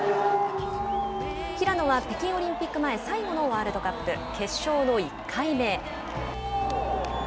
平野は、北京オリンピック前最後のワールドカップ。